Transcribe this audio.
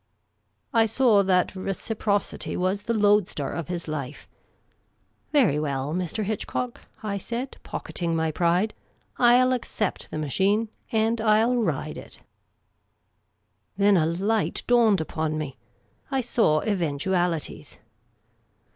I saw that reciprocity was the loadstar of his life. " Very well, Mr. Hitchcock," I said, pocketing my pride, " I '11 accept the machine, and I '11 ride it." Then a light dawned upon me. I .saw eventualities.